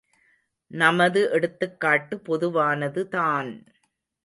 நமது எடுத்துக்காட்டு பொதுவானது தான்!